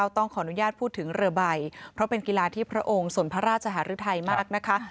ต้องขออนุญาตพูดถึงเรือใบเพราะเป็นกีฬาที่พระองค์ส่วนพระราชหารุทัยมากนะคะ